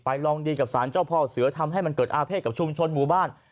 ลองดีกับสารเจ้าพ่อเสือทำให้มันเกิดอาเภษกับชุมชนหมู่บ้าน